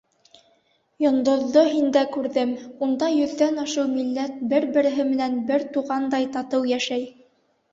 Йондоҙҙо һиндә күрҙем, Унда йөҙҙән ашыу милләт бер-береһе менән бер туғандай татыу йәшәй.